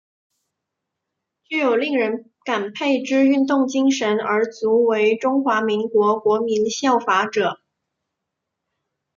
具有令人感佩之运动精神而足为中华民国国民效法者。